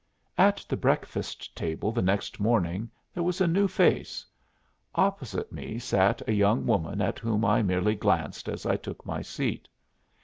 At the breakfast table the next morning there was a new face; opposite me sat a young woman at whom I merely glanced as I took my seat.